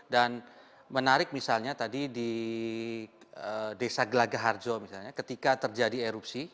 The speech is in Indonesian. dan menarik misalnya tadi di desa gelagah harjo misalnya ketika terjadi erupsi